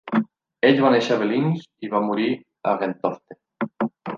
Ell va néixer a Bellinge i va morir a Gentofte.